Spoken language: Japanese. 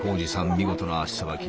見事な足さばき。